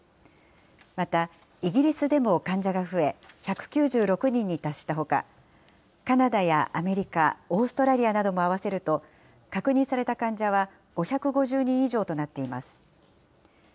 また、イギリスでも患者が増え、１９６人に達したほか、カナダやアメリカ、オーストラリアなども合わせると、確認された患者は５５０人以上となっています。